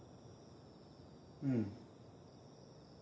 うん。